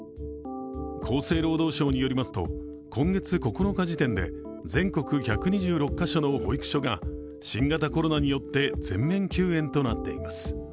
厚生労働省によりますと、今月９日時点で全国１２６カ所の保育所が新型コロナによって全面休園となっています。